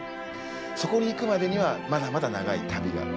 そこにいくまでにはまだまだ長い旅がある。